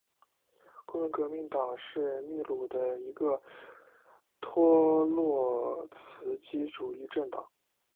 工人革命党是秘鲁的一个托洛茨基主义政党。